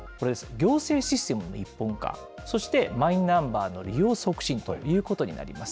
行政システムの一本化、そして、マイナンバーの利用促進ということになります。